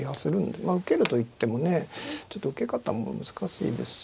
まあ受けるといってもねちょっと受け方も難しいですし。